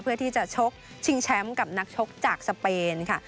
เพื่อที่จะชกชิงแชมป์กับนักชกจากสเปนค่ะ